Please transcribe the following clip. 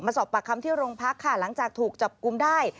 สอบปากคำที่โรงพักค่ะหลังจากถูกจับกลุ่มได้